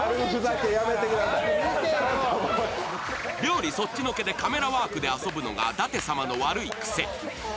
料理そっちのけでカメラワークで遊ぶのが、舘様の悪い癖。